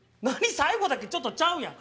最後だけちょっとちゃうやん。